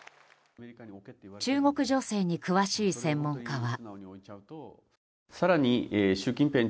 中国情勢に詳しい専門家は。